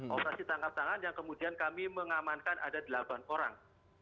operasi tangkap tangan yang kemudian kami mengamankan ada delapan orang